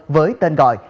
với tên gọi